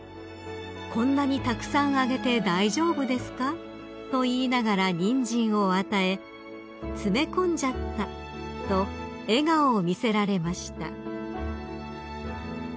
「こんなにたくさんあげて大丈夫ですか？」と言いながらニンジンを与え「詰め込んじゃった」と笑顔を見せられました］